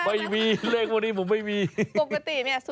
ไม่มีเลขวันนี้ผมไม่มี